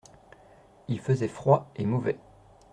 Il faisait froid et mauvais.